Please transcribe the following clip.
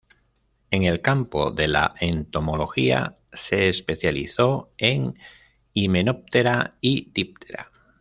En el campo de la entomología, se especializó en Hymenoptera y Diptera.